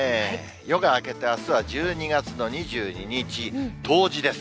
夜が明けてあすは１２月の２２日冬至です。